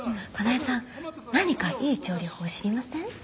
香苗さん何かいい調理法知りません？